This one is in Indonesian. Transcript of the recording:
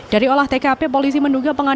dari olah tkp polisi menduga pengamanan